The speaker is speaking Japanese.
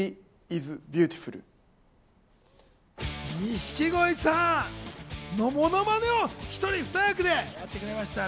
錦鯉さんのものまねを一人二役でやってくれましたね。